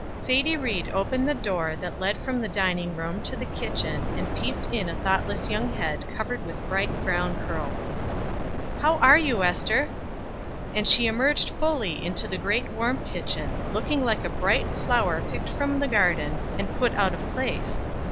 Sadie Ried opened the door that led from the dining room to the kitchen, and peeped in a thoughtless young head, covered with bright brown curls: "How are you, Ester?" And she emerged fully into the great warm kitchen, looking like a bright flower picked from the garden, and put out of place.